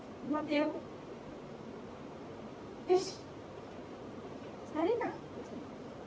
よし！